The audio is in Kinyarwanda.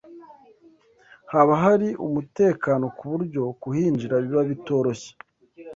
Haba hari umutekano ku buryo kuhinjira biba bitoroshye